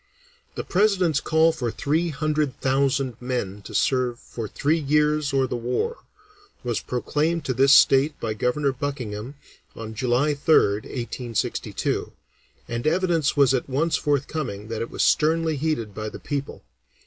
The President's call for three hundred thousand men to serve "for three years or the war" was proclaimed to this state by Governor Buckingham on July 3rd (1862), and evidence was at once forthcoming that it was sternly heeded by the people.